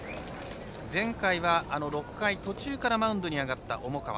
前回は６回途中からマウンドに上がった重川。